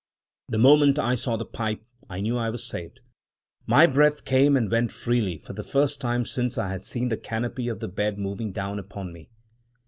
The moment I saw the pipe I knew I was saved. My breath came and went freely for the first time since I had seen the canopy of the bed moving down upon me!